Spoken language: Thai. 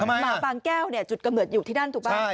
หมาบางแก้วจุดกระเมิดอยู่ที่นั่นถูกป่ะ